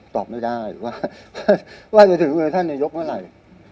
ตอบไม่ได้ว่าจะถึงมือท่านนายกเมื่อไหร่